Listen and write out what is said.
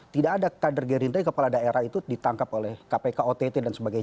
tidak ada kader gerindra yang kepala daerah itu ditangkap oleh kpk ott dan sebagainya